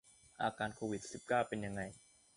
อาการโควิด สิบเก้า เป็นยังไง